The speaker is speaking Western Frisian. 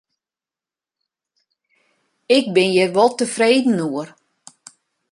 Ik bin hjir wol tefreden oer.